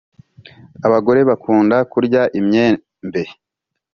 Abagore bakunda kurya imyembe